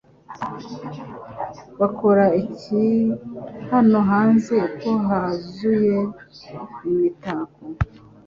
Bakora iki hano hanze ko huzuye imitako?